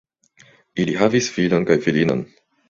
Ili havis filon kaj filinon.